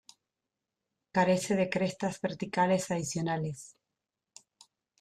Carece de crestas verticales adicionales.